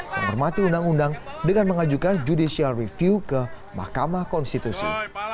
menghormati undang undang dengan mengajukan judicial review ke mahkamah konstitusi